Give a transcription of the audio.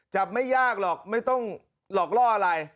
ไม่ยากหรอกไม่ต้องหลอกล่ออะไร